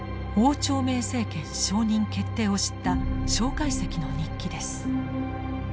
汪兆銘政権承認決定を知った介石の日記です。